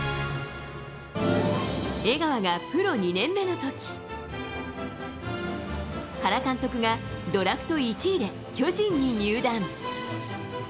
江川がプロ２年目の時原監督がドラフト１位で巨人に入団。